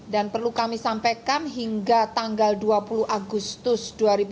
dan perlu kami sampaikan hingga tanggal dua puluh agustus dua ribu delapan belas